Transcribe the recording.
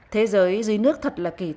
thế giới dưới nước thật là kỳ thú